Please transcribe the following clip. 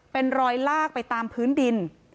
เป็นรอยลากไปตามพื้นดิน